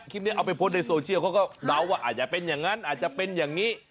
คลิปนี้เอาไปโพสต์ในโซเชียลเขาก็เดาว่าอาจจะเป็นอย่างนั้นอาจจะเป็นอย่างนี้